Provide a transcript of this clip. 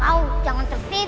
kau jangan terbiasa